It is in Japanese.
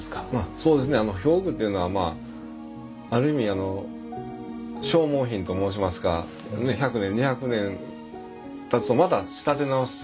そうですね表具というのはある意味消耗品と申しますか１００年２００年たつとまた仕立て直して。